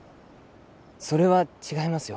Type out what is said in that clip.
それは違いますよ。